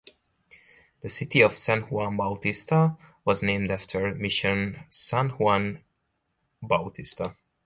The city of San Juan Bautista was named after Mission San Juan Bautista.